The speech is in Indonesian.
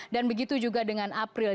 dan begitu juga dengan april